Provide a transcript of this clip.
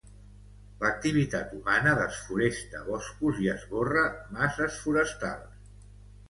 L'activitat humana desforesta boscos i esborra masses forestals.